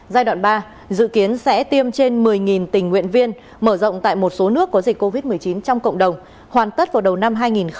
giai đoạn ba dự kiến sẽ tiêm trên một mươi tình nguyện viên mở rộng tại một số nước có dịch covid một mươi chín trong cộng đồng hoàn tất vào đầu năm hai nghìn hai mươi